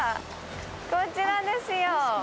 こちらですよ。